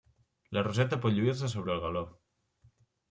La roseta pot lluir-se sobre el galó.